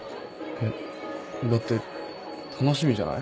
えっだって楽しみじゃない？